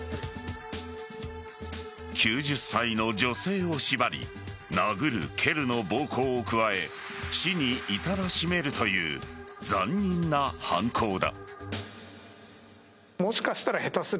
９０歳の女性を縛り殴る蹴るの暴行を加え死に至らしめるという残忍な犯行だ。